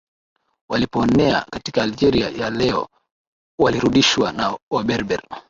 Walipoenea katika Algeria ya leo walirudishwa na Waberber